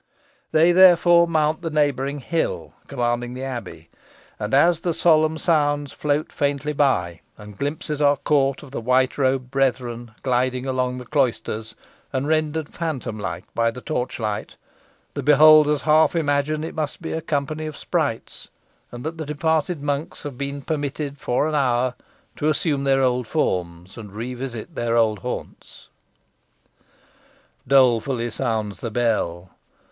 They, therefore, mount the neighbouring hill commanding the abbey, and as the solemn sounds float faintly by, and glimpses are caught of the white robed brethren gliding along the cloisters, and rendered phantom like by the torchlight, the beholders half imagine it must be a company of sprites, and that the departed monks have been permitted for an hour to assume their old forms, and revisit their old haunts. Dolefully sounds the bell.